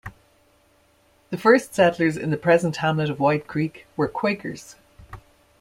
The first settlers in the present hamlet of White Creek were Quakers.